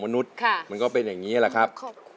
มันก็เป็นอย่างนี้แหละครับ